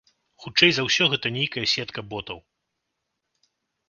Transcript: Хутчэй за ўсё гэта нейкая сетка ботаў.